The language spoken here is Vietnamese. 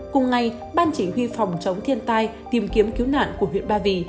cùng ngày ban chỉ huy phòng chống thiên tai tìm kiếm cứu nạn của huyện ba vì